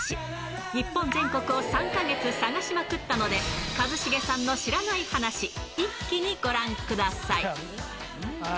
日本全国を３か月探しまくったので、一茂さんの知らない話、一気にご覧ください。